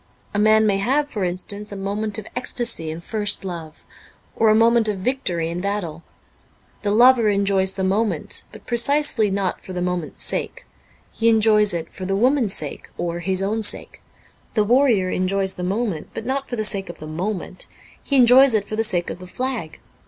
A man may have, for instance, a moment of ecstasy in first love, or a moment of victory in battle. The lover enjoys the moment, but precisely not for the moment's sake. He enjoys it for the woman's sake, or his own sake. The warrior enjoys the moment, but not for the sake of the moment ; he enjoys it for the sake of the flag.